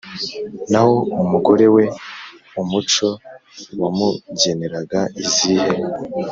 Naho umugore we umuco wamugeneraga izihe?